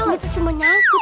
itu cuma nyangkut pak